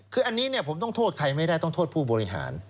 คืออันนี้ผมต้องโทษใครไม่ได้ต้องโทษผู้บริหาร